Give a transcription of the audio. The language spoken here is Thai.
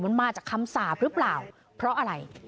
มันมาจากคำสาปหรือเปล่าเพราะอะไร